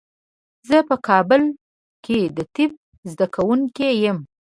زه په کابل کې د طب زده کوونکی یم.